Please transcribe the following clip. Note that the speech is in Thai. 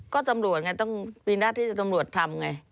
ก็ตำรวจไงต้องมีหน้าที่ตำรวจทำไง